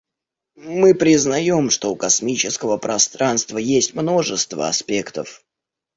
Мы признаем, что у космического пространства есть множество аспектов.